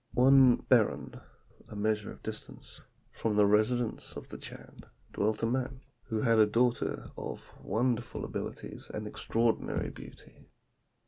"One berren (a measure of distance) from the residence of the Chan dwelt a man, who had a daughter of wonderful abilities and extraordinary beauty.